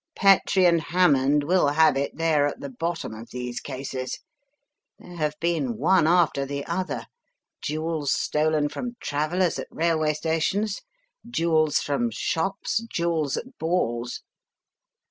Petrie and Hammond will have it they are at the bottom of these cases. There have been one after the other, jewels stolen from travellers at railway stations, jewels from shops, jewels at balls.